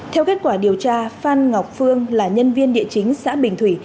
theo kết quả điều tra phan ngọc phương là nhân viên địa chính xã bình thủy